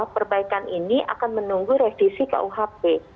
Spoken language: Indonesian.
perbaikan ini akan menunggu revisi kuhp